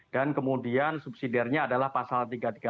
dan kemudian subsidiarnya adalah pasal tiga ratus tiga puluh delapan